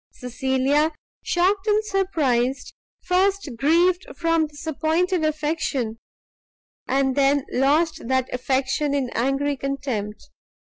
Cecilia, shocked and surprised, first grieved from disappointed affection, and then lost that affection in angry contempt.